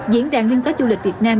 diễn đàn liên tết du lịch việt nam